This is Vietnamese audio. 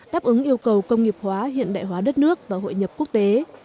đáp ứng yêu cầu công nghiệp hóa hiện đại hóa đất nước và hội nhập quốc tế